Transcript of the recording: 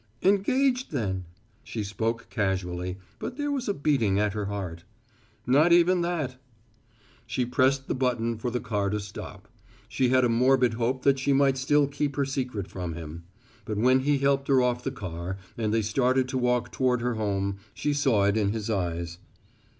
"Engaged, then!" She spoke casually, but there was a beating at her heart. "Not even that." She pressed the button for the car to stop. She had a morbid hope that she might still keep her secret from him. But when he helped her off the car and they started to walk toward her home, she saw it in his eyes.